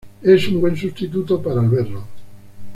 Es un buen sustituto para el berro.